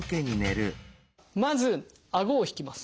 まずあごを引きます。